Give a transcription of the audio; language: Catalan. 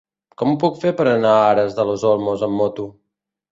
Com ho puc fer per anar a Aras de los Olmos amb moto?